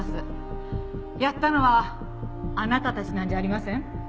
やったのはあなたたちなんじゃありません？